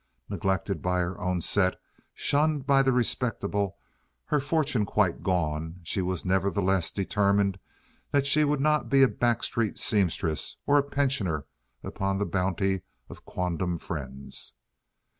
Neglected by her own set, shunned by the respectable, her fortune quite gone, she was nevertheless determined that she would not be a back street seamstress or a pensioner upon the bounty of quondam friends.